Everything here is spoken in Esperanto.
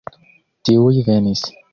Tiuj venis.